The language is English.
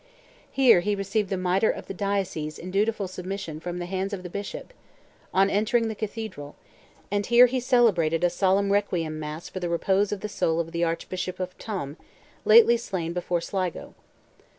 Here he received the mitre of the diocese in dutiful submission from the hands of the Bishop, on entering the Cathedral; and here he celebrated a solemn requiem mass for the repose of the soul of the Archbishop of Tuam, lately slain before Sligo.